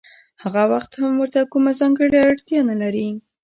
هغه وخت هم ورته کومه ځانګړې اړتیا نلري